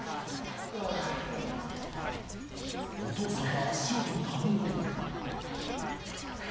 お父さんが足音に反応。